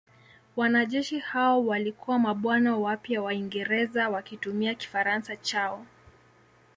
Wanajeshi hao walikuwa mabwana wapya wa Uingereza wakitumia Kifaransa chao.